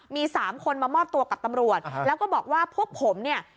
มีสามคนมามอบตัวกับตำรวจแล้วก็บอกว่าพวกผมเนี่ย